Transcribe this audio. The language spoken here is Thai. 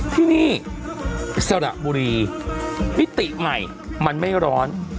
ที่นี่สระบุรีมิติใหม่มันไม่ร้อน